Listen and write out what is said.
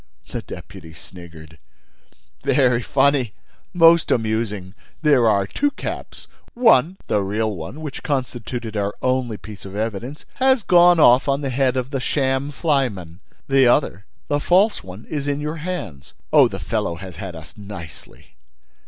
The deputy sniggered: "Very funny! Most amusing! There are two caps—One, the real one, which constituted our only piece of evidence, has gone off on the head of the sham flyman! The other, the false one, is in your hands. Oh, the fellow has had us nicely!"